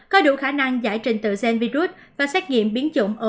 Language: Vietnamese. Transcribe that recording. có đủ khả năng giải trình tựa gen virus và xét nghiệm biến chủng omicron